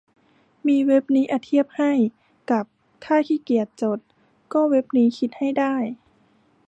มีเว็บนี้อะเทียบให้กับถ้าขี้เกียจกด ก็เว็บนี้คิด ให้ได้